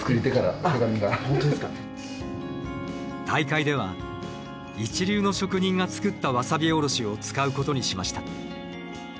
大会では一流の職人が作ったワサビおろしを使うことにしました。